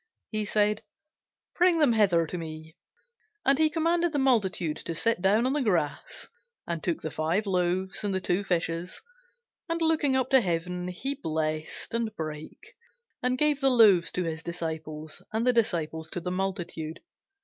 He said, Bring them hither to me. And he commanded the multitude to sit down on the grass, and took the five loaves, and the two fishes, and looking up to heaven, he blessed, and brake, and gave the loaves to his disciples, and the disciples to the multitude.